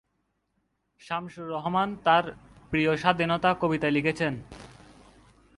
শামসুর রাহমান তাঁর প্রিয় স্বাধীনতা কবিতায় লিখেছেন,